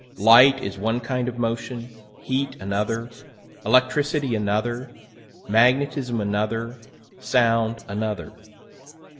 Light is one kind of motion, heat another, electricity another, magnetism another, sound another.